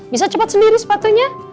bisa cepat sendiri sepatunya